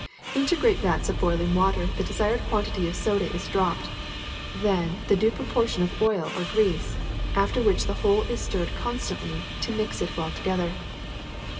Into great vats of boiling water the desired quantity of soda is dropped, then the due proportion of oil or grease, after which the whole is stirred constantly to mix it well together.